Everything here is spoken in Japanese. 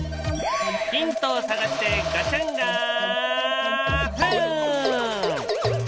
ヒントを探してガチャンガフン！